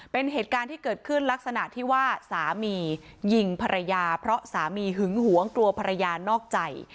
เป็นเหตุการณ์ที่เกิดขึ้นลักษณะที่ว่าสามียิงภรรยาเพราะสามีหึงหวงกลัวภรรยานอกใจ